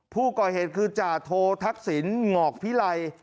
ผู้ก่อยเหตุคือจาโททักศิลป์งพิรัย